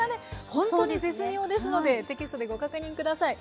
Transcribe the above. ほんとに絶妙ですのでテキストでご確認下さい。